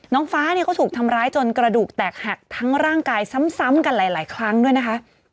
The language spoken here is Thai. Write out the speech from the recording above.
น้องฟ้าเนี่ยเขาถูกทำร้ายจนกระดูกแตกหักทั้งร่างกายซ้ำกันหลายครั้งด้วยนะคะ